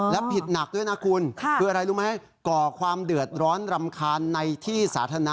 และผิดหนักด้วยนะคุณคืออะไรรู้ไหมก่อความเดือดร้อนรำคาญในที่สาธารณะ